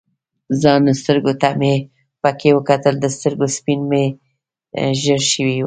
ځان سترګو ته مې پکې وکتل، د سترګو سپین مې ژړ شوي ول.